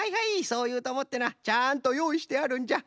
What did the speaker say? そういうとおもってなちゃんとよういしてあるんじゃ。